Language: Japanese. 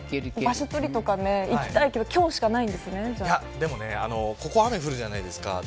場所取りとか行きたいけどここ雨降るじゃないですか。